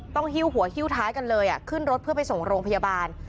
หิ้วหัวหิ้วท้ายกันเลยขึ้นรถเพื่อไปส่งโรงพยาบาล